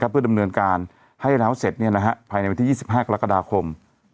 เพื่อดำเนินการให้แล้วเสร็จภายในวันที่๒๕กรกฎาคม